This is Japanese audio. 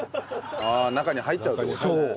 ああ中に入っちゃうって事？